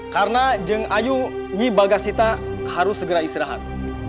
karena jika kamu memiliki kemampuan harus segera istirahat